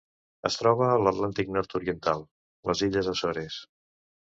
Es troba a l'Atlàntic nord-oriental: les illes Açores.